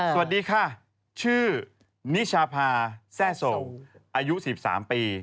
สวัสดีค่ะชื่อนิชาพาแซ่โศกอายุ๑๓ปี